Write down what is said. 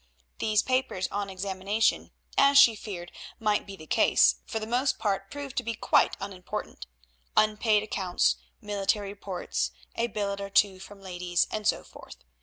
These papers on examination, as she feared might be the case, for the most part proved to be quite unimportant—unpaid accounts, military reports, a billet or two from ladies, and so forth.